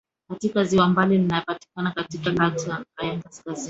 katika Ziwa Ambali linalopatikana katika Kanda ya Kati ya Kaskazini